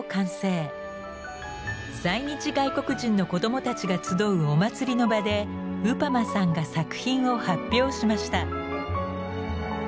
在日外国人の子どもたちが集うお祭りの場でウパマさんが作品を発表しました。